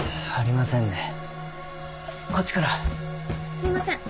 すいません。